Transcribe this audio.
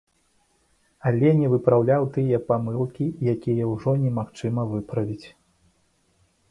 Але не выпраўляў тыя памылкі, які ўжо немагчыма выправіць.